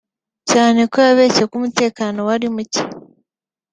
cyane ko yabeshye ko umutekano we ari muke